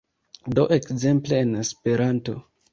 Do ekzemple en Esperanto